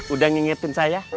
udah ngingetin saya